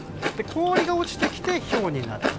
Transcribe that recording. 氷が落ちてきてひょうになる。